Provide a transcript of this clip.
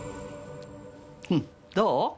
どう？